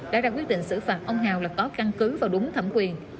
đã ra quyết định xử phạt ông hào là có căn cứ và đúng thẩm quyền